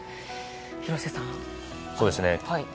廣瀬さん。